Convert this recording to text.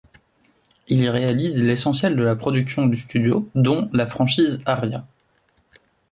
Il y réalise l'essentiel de la production du studio dont la franchise Aria.